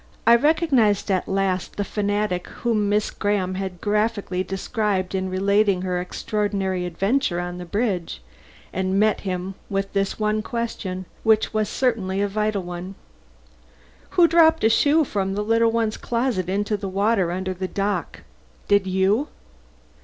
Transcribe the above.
I recognized at last the fanatic whom Miss Graham had so graphically described in relating her extraordinary adventure on the bridge; and met him with this one question, which was certainly a vital one: "Who dropped a shoe from the little one's closet, into the water under the dock? Did you?"